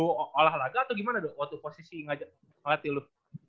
mau olahraga atau gimana dok waktu posisi pelatih lu